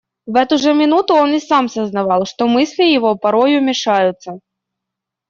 В эту же минуту он и сам сознавал, что мысли его порою мешаются.